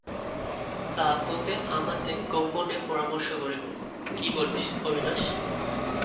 তা, তোতে আমাতে গোপনে পরামর্শ করিব, কী বলিল, অবিনাশ।